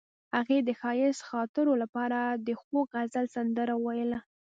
هغې د ښایسته خاطرو لپاره د خوږ غزل سندره ویله.